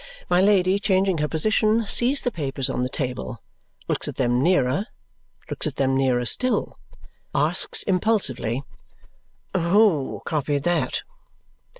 My Lady, changing her position, sees the papers on the table looks at them nearer looks at them nearer still asks impulsively, "Who copied that?"